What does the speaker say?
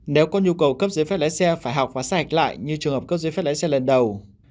nếu có nhu cầu cấp giấy phép lái xe phải học và sát hạch lại như trường hợp cấp giấy phép lái xe lần đầu